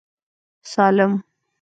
سالم.